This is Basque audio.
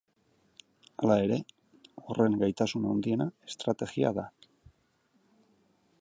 Hala ere, horren gaitasun handiena estrategia da.